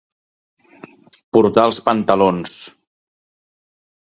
Portar els pantalons.